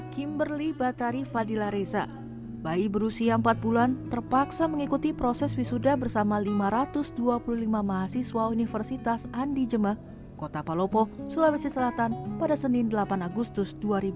kimberly batari fadila reza bayi berusia empat bulan terpaksa mengikuti proses wisuda bersama lima ratus dua puluh lima mahasiswa universitas andijemah kota palopo sulawesi selatan pada senin delapan agustus dua ribu dua puluh